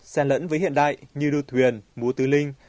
xen lẫn với hiện đại như đua thuyền múa tứ linh